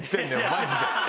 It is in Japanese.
マジで。